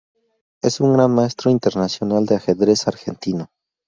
Es un Gran Maestro Internacional de ajedrez argentino.